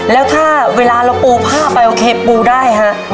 แล้วถ้าเวลาเราปูผ้าไปโอเคปูได้ฮะ